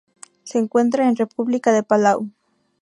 Se encuentran en República de Palau.